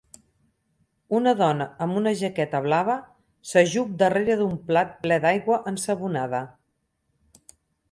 Una dona amb una jaqueta blava s'ajup darrere d'un plat ple d'aigua ensabonada.